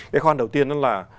cái khó khăn đầu tiên đó là